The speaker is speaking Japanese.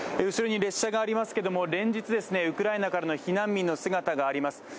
後ろに列車がありますけれども連日、ウクライナからの避難民の姿があります。